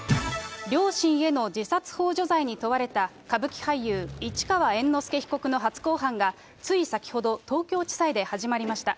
両親への自殺ほう助罪に問われた歌舞伎俳優、市川猿之助被告の初公判が、つい先ほど東京地裁で始まりました。